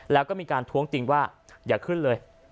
แล้วก็มีการท้วงติงว่าอย่าขึ้นเลย